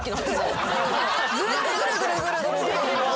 ずっとぐるぐるぐるぐる。